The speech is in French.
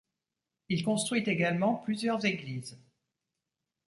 Il construit également plusieurs églises.